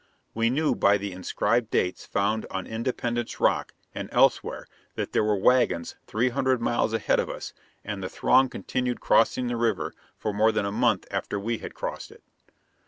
We knew by the inscribed dates found on Independence Rock and elsewhere that there were wagons three hundred miles ahead of us, and the throng continued crossing the river for more than a month after we had crossed it.